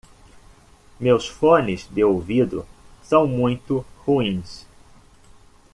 Meus fones de ouvido são muito ruins.